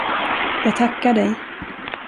Jag tackar dig.